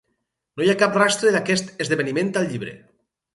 No hi ha cap rastre d'aquest esdeveniment al llibre.